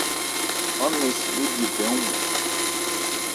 Án nɛn si lê bhye bɛn ɔ́nmɔn.